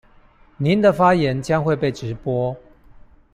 您的發言將會被直播